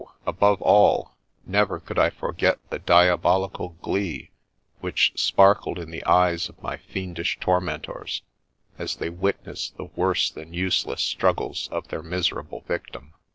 above all, never could I forget the diabolical glee which sparkled in the eyes of my fiendish tor mentors, as they witnessed the worse than useless struggles of their miserable victim.